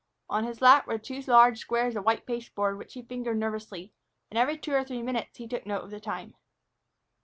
On his lap were two large squares of white pasteboard which he fingered nervously, and every two or three minutes he took note of the time.